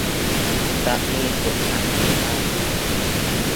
จะมีจุดหักเหบางอย่าง